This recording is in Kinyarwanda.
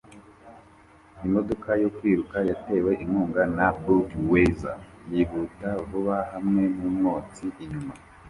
Imodoka yo kwiruka yatewe inkunga na Budweiser yihuta vuba hamwe numwotsi inyuma